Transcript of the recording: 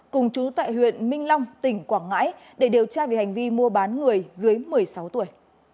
cùng chú tại huyện minh long tỉnh quảng ngãi để điều tra về hành vi mua bán người dưới một mươi sáu tuổi